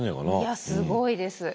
いやすごいです。